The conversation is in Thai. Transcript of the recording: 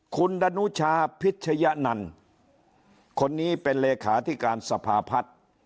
คุณดนุชาพิชยะนันคนนี้เป็นเลขาธิการสภาพัฒน์